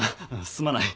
すまない。